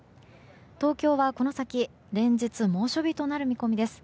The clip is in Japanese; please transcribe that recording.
東京はこの先、連日猛暑日となる見込みです。